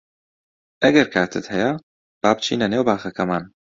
ئەگەر کاتت هەیە با بچینە نێو باخەکەمان.